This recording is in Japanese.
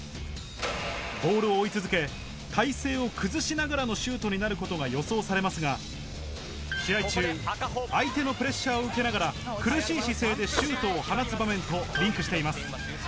ボールを追い続け体勢を崩しながらのシュートになることが予想されますが試合中相手のプレッシャーを受けながら苦しい姿勢でシュートを放つ場面とリンクしています